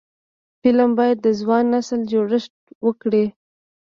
فلم باید د ځوان نسل جوړښت وکړي